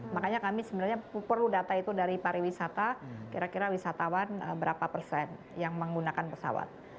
makanya kami sebenarnya perlu data itu dari pariwisata kira kira wisatawan berapa persen yang menggunakan pesawat